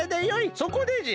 そこでじゃ。